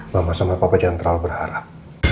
mama sama papa jantral berharap